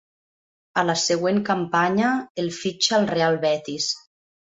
A la següent campanya el fitxa el Real Betis.